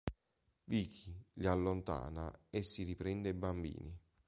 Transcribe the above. Vicky li allontana, e si riprende i bambini.